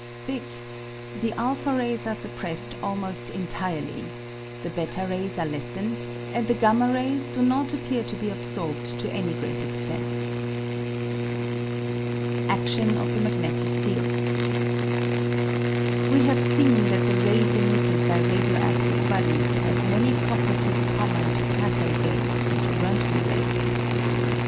thick), the o rays are suppressed almost entirely, the /3 rays are lessened, and the y rays do not appear to be absorbed to any great extent. Action of the Magnetic Field. We have seen that the rays emitted by radio adtive bodies have many properties common to cathode rays and to R'mtgen rays.